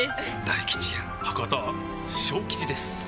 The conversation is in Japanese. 大吉や博多小吉ですあぁ！